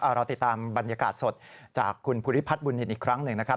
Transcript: เราติดตามบรรยากาศสดจากคุณภูริพัฒนบุญนินอีกครั้งหนึ่งนะครับ